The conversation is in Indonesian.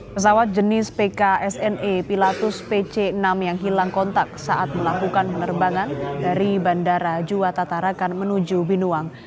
pesawat jenis pksne pilatus pc enam yang hilang kontak saat melakukan penerbangan dari bandara jua tatarakan menuju binuang